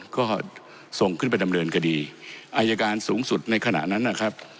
ก็ส่งขึ้นไปดำเนินคดีอายการสูงสุดในขณะนั้นนะครับ